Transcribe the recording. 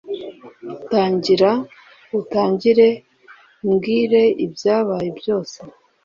tangira utangire umbwire ibyabaye byose